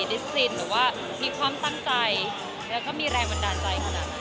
ดิสซินหรือว่ามีความตั้งใจแล้วก็มีแรงบันดาลใจขนาดนั้น